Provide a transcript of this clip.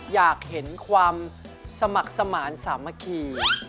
อยากเห็นความสมัครสมานสามัคคี